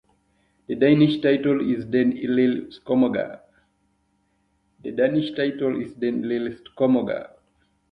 The Danish title is "Den lille skomager".